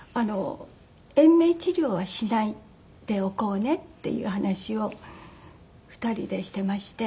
「延命治療はしないでおこうね」っていう話を２人でしてまして。